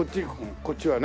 こっちはね。